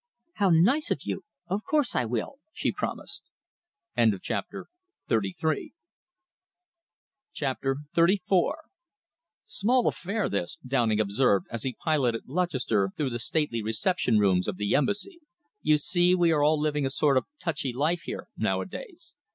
"How nice of you! Of course I will," she promised. CHAPTER XXXIV "Small affair, this," Downing observed, as he piloted Lutchester through the stately reception rooms of the Embassy. "You see, we are all living a sort of touchy life here, nowadays.